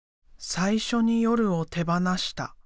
「最初に夜を手ばなした」